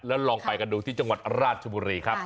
แล้วลองไปกันดูที่จังหวัดราชบุรีครับ